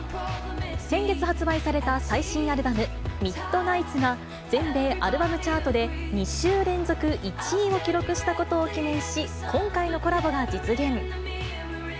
先月発売された最新アルバム、ミッドナイツが、全米アルバムチャートで２週連続１位を記録したことを記念し、今回のコラボが実現。